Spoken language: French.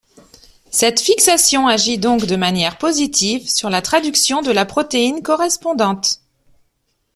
Cette fixation agit donc de manière positive sur la traduction de la protéine correspondante.